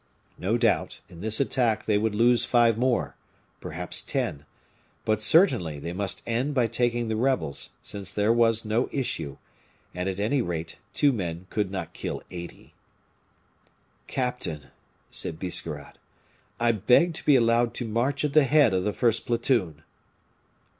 No doubt, in this attack they would lose five more, perhaps ten; but, certainly, they must end by taking the rebels, since there was no issue; and, at any rate, two men could not kill eighty. "Captain," said Biscarrat, "I beg to be allowed to march at the head of the first platoon."